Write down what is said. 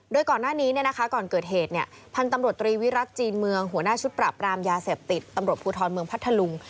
โดยก่อนหน้านี้ก่อนเกิดเหตุพันธุ์ตำรวจตรีวิรัติจีนเมืองหัวหน้าชุดปรับรามยาเสพติดตำรวจภูทรเมืองพัทธลุง